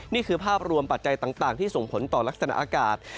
นี่คือภาพรวมปัจจัยต่างที่ส่งผลต่อลักษณะอากาศ